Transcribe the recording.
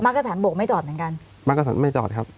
มักกระสานบวกไม่จอดเหมือนกันมักกระสานไม่จอดครับ